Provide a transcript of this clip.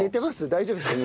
大丈夫ですか？